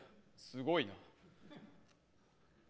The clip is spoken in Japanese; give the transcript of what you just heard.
すごいな。